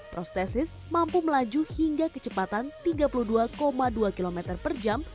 prostesis mampu melaju hingga kecepatan tiga puluh dua dua km per jam